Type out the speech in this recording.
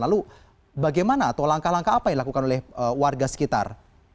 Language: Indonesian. lalu bagaimana atau langkah langkah apa yang dilakukan oleh warga sekitar